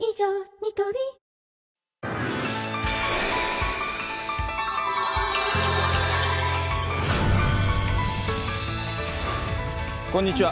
ニトリこんにちは。